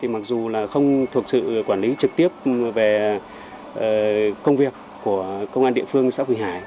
mặc dù là không thuộc sự quản lý trực tiếp về công việc của công an địa phương xã quỳnh hải